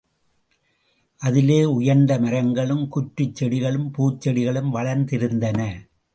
அதிலே உயர்ந்த மரங்களும் குற்றுச் செடிகளும் பூச்செடிகளும் வளர்ந்திருந்தன.